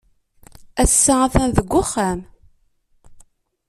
Ass-a atan deg uxxam.